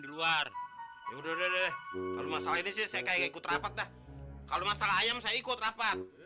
di luar ya udah deh kalau masalah ini sih saya kayak ikut rapat dah kalau masalah ayam saya ikut rapat